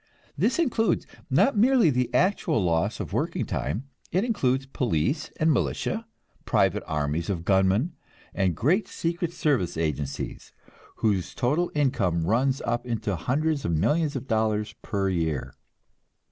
This includes, not merely the actual loss of working time, it includes police and militia, private armies of gunmen, and great secret service agencies, whose total income runs up into hundreds of millions of dollars per year.